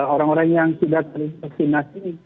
orang orang yang sudah tervaksinasi